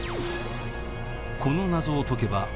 「この謎を解けば」